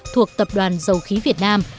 thuộc tập đoàn dầu khí việt nam